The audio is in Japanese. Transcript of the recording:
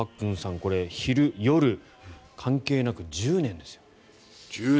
これ、昼、夜関係なく１０年ですよ。